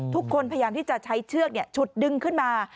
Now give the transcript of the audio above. พยายามที่จะใช้เชือกฉุดดึงขึ้นมา